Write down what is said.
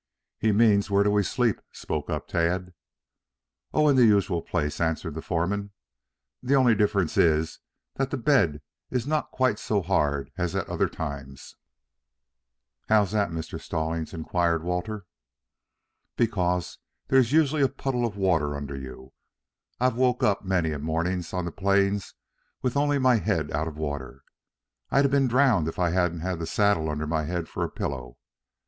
"He means where do we sleep?" spoke up Tad. "Oh, in the usual place," answered the foreman. "The only difference is that the bed is not quite so hard as at other times." "How's that, Mr. Stallings?" inquired Walter. "Because there's usually a puddle of water under you. I've woke up many a morning on the plains with only my head out of water. I'd a' been drowned if I hadn't had the saddle under my head for a pillow.